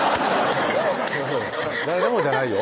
うん誰でもじゃないよ